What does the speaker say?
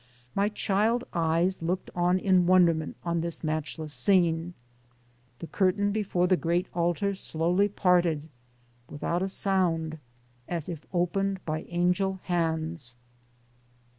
My child eyes looked on in wonderment on this matchless scene. The curtain before the Great Altar slowly parted without a sound, as if opened by angel hands.